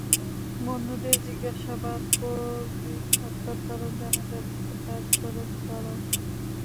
বন্ধুদের জিজ্ঞাসাবাদ করলেই হত্যার কারণ জানা যাবে বলে দাবি করেন তাঁরা।